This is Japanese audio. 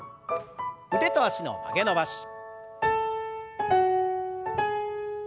腕と脚の曲げ伸ばし。